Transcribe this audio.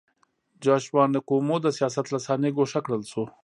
جاشوا نکومو د سیاست له صحنې ګوښه کړل شو.